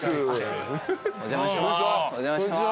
お邪魔してます。